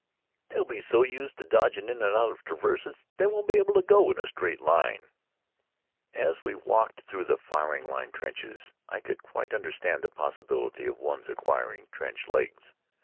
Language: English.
They'll be so used to dodgin' in an' out o' traverses they won't be able to go in a straight line." As we walked through the firing line trenches, I could quite understand the possibility of one's acquiring trench legs.